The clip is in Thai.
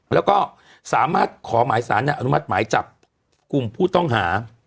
แล้วก็สามารถขอหมายสารอนุมัติหมายจับกลุ่มผู้ต้องหา